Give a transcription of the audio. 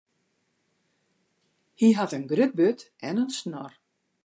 Hy hat in grut burd en in snor.